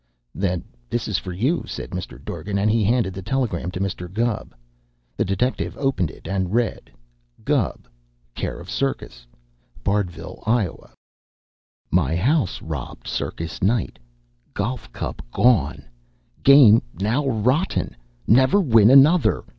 "Then this is for you," said Mr. Dorgan, and he handed the telegram to Mr. Gubb. The detective opened it and read: Gubb, Care of Circus, Bardville, Ia. My house robbed circus night. Golf cup gone. Game now rotten: never win another.